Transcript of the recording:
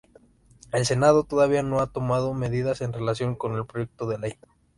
El Senado todavía no ha tomado medidas en relación con el proyecto de ley.